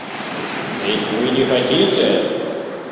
Ведь вы не хотите?